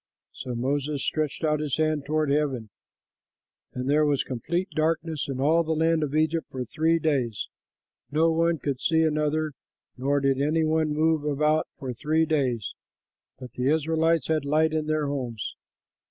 So Moses stretched out his hand toward heaven; and there was complete darkness in all the land of Egypt for three days; no one could see another, nor did any one move about for three days. But the Israelites had light in their homes.